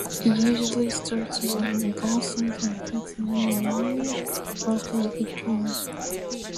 It usually starts during adolescence, and affects men and women roughly equally.